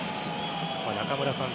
中村さん